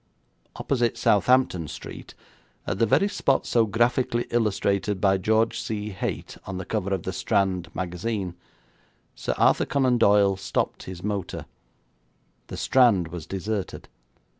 Opposite Southampton Street, at the very spot so graphically illustrated by George C. Haité on the cover of the Strand Magazine, Sir Arthur Conan Doyle stopped his motor. The Strand was deserted.